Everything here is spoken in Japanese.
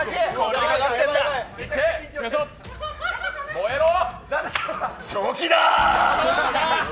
燃えろ！